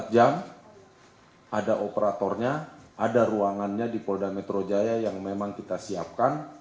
empat jam ada operatornya ada ruangannya di polda metro jaya yang memang kita siapkan